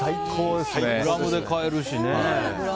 グラムで買えるしね。